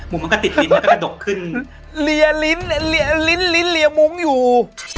มุ้งมันก็ติดลิ้นแล้วก็ตกขึ้นเรียบลิ้นเหลียบลิ้นอยู่